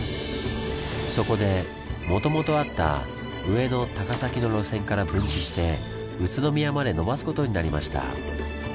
そこでもともとあった上野−高崎の路線から分岐して宇都宮まで延ばすことになりました。